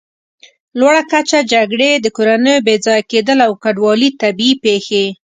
لوړه کچه، جګړې، د کورنیو بېځایه کېدل او کډوالي، طبیعي پېښې